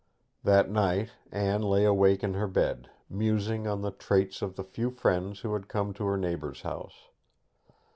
That night Anne lay awake in her bed, musing on the traits of the new friend who had come to her neighbour's house.